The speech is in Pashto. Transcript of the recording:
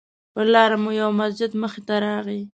پر لاره مو یو مسجد مخې ته راغی.